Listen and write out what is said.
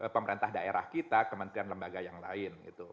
pemerintah daerah kita kementerian lembaga yang lain